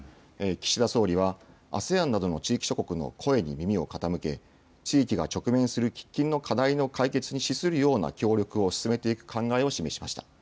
岸田総理はＡＳＥＡＮなどの地域諸国の声に耳を傾け地域が直面する喫緊の課題の解決に資するような協力を進めていく考えを示しました。